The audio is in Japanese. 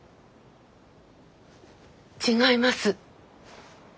違います。